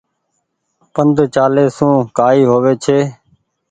پند چآلي سون ڪآئي هووي ڇي۔